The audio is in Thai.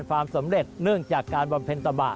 ความสำเร็จเนื่องจากการบำเพ็ญตะบะ